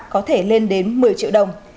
có thể lên đến một mươi triệu đồng